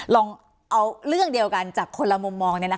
ลองเอาเรื่องเดียวกันจากคนละมุมมอง